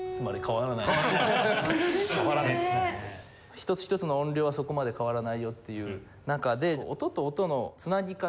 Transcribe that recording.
一つ一つの音量はそこまで変わらないよっていう中で音と音の繋ぎ方